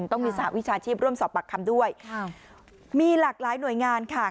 ต้องมีสหวิชาชีพร่วมสอบปากคำด้วยมีหลากหลายหน่วยงานค่ะ